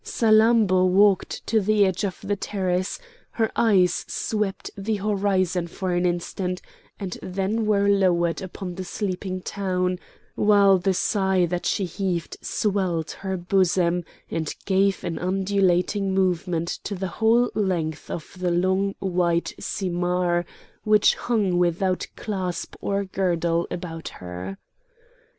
Salammbô walked to the edge of the terrace; her eyes swept the horizon for an instant, and then were lowered upon the sleeping town, while the sigh that she heaved swelled her bosom, and gave an undulating movement to the whole length of the long white simar which hung without clasp or girdle about her.